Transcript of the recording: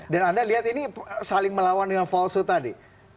dan anda lihat ini saling melawan dengan falsehood tadi